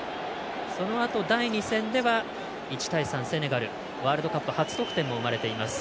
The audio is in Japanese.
そのあと第２戦では１対３、セネガルワールドカップ初得点も挙げています。